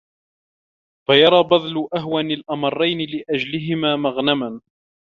فَيَرَى بَذْلَ أَهْوَنِ الْأَمْرَيْنِ لِأَجَلِّهِمَا مَغْنَمًا